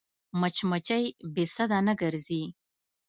مچمچۍ بې سده نه ګرځي